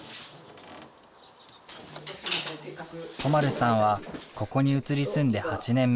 都丸さんはここに移り住んで８年目。